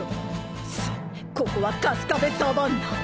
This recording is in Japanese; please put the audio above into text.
そうここはカスカベ・サバンナ！